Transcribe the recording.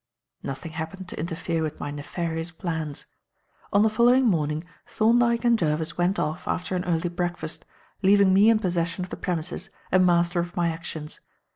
Nothing happened to interfere with my nefarious plans. On the following morning, Thorndyke and Jervis went off after an early breakfast, leaving me in possession of the premises and master of my actions.